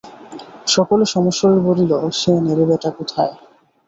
সকলে সমস্বরে বলিল, সে নেড়ে বেটা কোথায়।